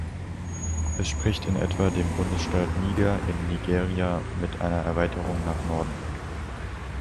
Es entspricht in etwa dem Bundesstaat Niger in Nigeria mit einer Erweiterung nach Norden.